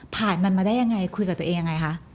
ผ่านมันมาได้ยังไงคุยกับตัวเองยังไงคะ